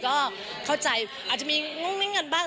ก็เข้าใจอาจจะมีงึ่งหมางื่นหนึ่งบ้าง